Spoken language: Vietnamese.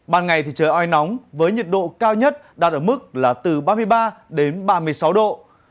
ban ngày thì trời oi nóng với nhiệt độ cao nhất đạt ở mức là từ ba mươi ba đến ba mươi sáu độ